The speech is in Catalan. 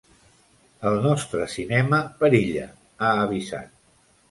El nostre cinema perilla, ha avisat.